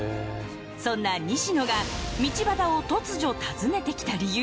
そんな西野が道端を突如訪ねてきた理由。